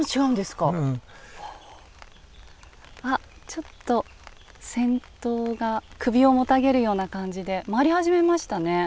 ちょっと先頭が首をもたげるような感じで回り始めましたね。